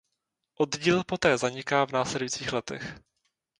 Oddíl poté zaniká v následujících letech.